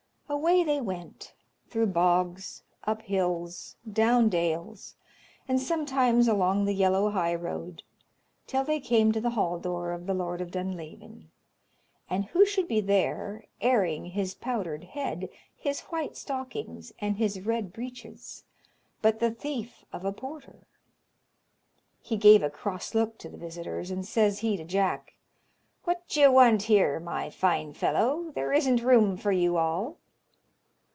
Away they went, through bogs, up hills, down dales, and sometimes along the yellow high road, till they came to the hall door of the Lord of Dunlavin, and who should be there, airing his powdered head, his white stockings, and his red breeches, but the thief of a porter. He gave a cross look to the visitors, and says he to Jack, "What do you want here, my fine fellow? there isn't room for you all."